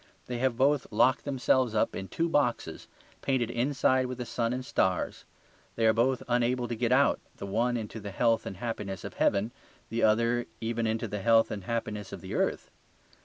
They have both locked themselves up in two boxes, painted inside with the sun and stars; they are both unable to get out, the one into the health and happiness of heaven, the other even into the health and happiness of the earth.